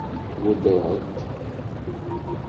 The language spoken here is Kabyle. Tweddṛeḍ-t?